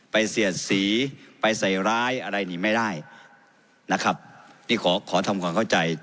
เสียดสีไปใส่ร้ายอะไรนี่ไม่ได้นะครับนี่ขอขอทำความเข้าใจ